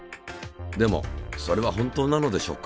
でもそれは本当なのでしょうか。